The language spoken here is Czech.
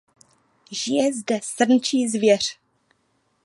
Žije zde srnčí zvěř.